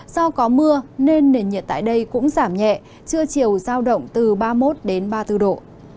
do có mưa nên nền nhiệt tại đây cũng giảm nhẹ trưa chiều giao động từ ba mươi một đến ba mươi bốn độ